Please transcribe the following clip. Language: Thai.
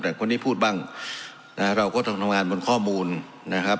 แต่คนนี้พูดบ้างนะฮะเราก็ต้องทำงานบนข้อมูลนะครับ